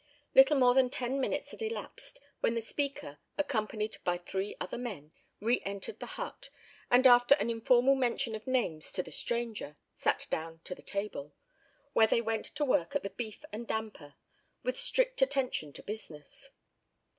Little more than ten minutes had elapsed, when the speaker, accompanied by three other men, re entered the hut, and after an informal mention of names to the stranger, sat down to the table, where they went to work at the beef and damper, with strict attention to business.